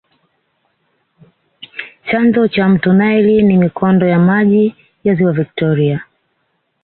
chanzo cha mto nile ni mikondo ya maji ya ziwa victoria